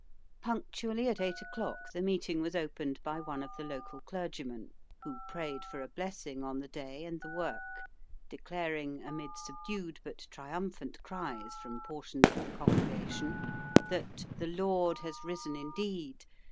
Punctually at eight o'clock the meeting was opened by one of the local clergymen, who prayed for a blessing on the day and the work, declaring, amid subdued but triumphant cries from portions of the congregation, that "the Lord has risen indeed!